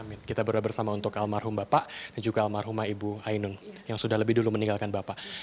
amin kita berdua bersama untuk almarhum bapak dan juga almarhumah ibu ainun yang sudah lebih dulu meninggalkan bapak